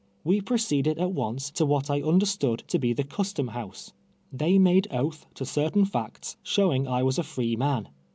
"We proceeded at once to what I un derstood to be the Custom House. They made oath to certain facts showing I was a free man.